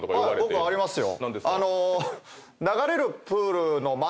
僕ありますよ。